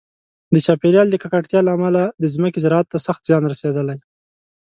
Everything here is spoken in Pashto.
د چاپیریال د ککړتیا له امله د ځمکې زراعت ته سخت زیان رسېدلی.